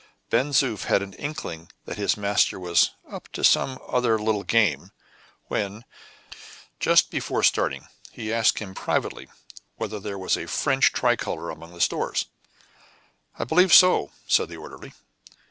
Ben Zoof had an inkling that his master was "up to some other little game," when, just before starting, he asked him privately whether there was a French tricolor among the stores. "I believe so," said the orderly.